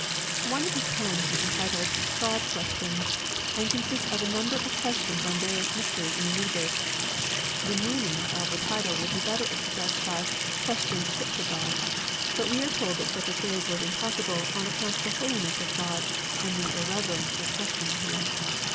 One of his poems is entitled " God Questions," and consists of a number of questions on various mysteries in the universe. The meaning of the title would be better expressed by " Questions put to God," but we are told that such a phrase was impossible on account of the holiness of God and the irreverence of questioning Him.